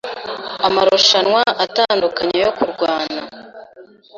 amarushanwa atandukanye yo kurwana